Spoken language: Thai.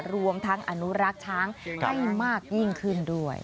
รวมทั้งอนุรักษ์ช้างให้มากยิ่งขึ้นด้วย